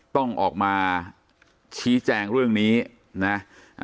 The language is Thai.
ต้องออกมาชี้แจงเรื่องนี้นะ